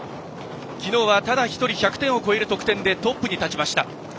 きのうは、ただ１人１００点を超える得点でトップに立ちました。